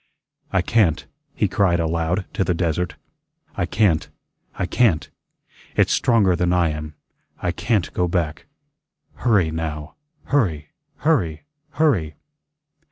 "I can't," he cried aloud to the desert; "I can't, I can't. It's stronger than I am. I CAN'T go back. Hurry now, hurry, hurry, hurry."